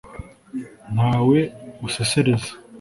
ntawe busesereza